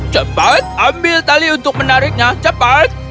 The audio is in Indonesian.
cepat ambil tali untuk menariknya cepat